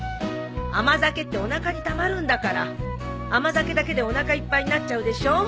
甘酒っておなかにたまるんだから甘酒だけでおなかいっぱいになっちゃうでしょ。